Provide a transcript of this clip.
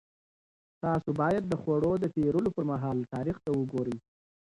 تاسو باید د خوړو د پېرلو پر مهال تاریخ ته وګورئ.